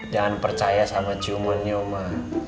jangan percaya sama ciumannya oma